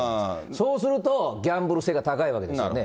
そうすると、ギャンブル性が高いわけですよね。